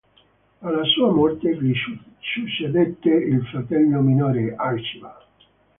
Alla sua morte gli succedette il fratello minore, Archibald.